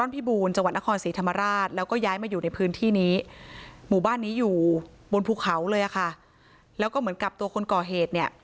บนภูเขาเลยกะคะแล้วก็เหมือนกับตัวคนก่อเหตุเนี้ย